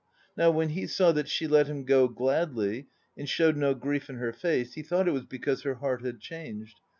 Now when he saw that she let him go gladly and showed no grief in her face, he thought it was because her heart had changed.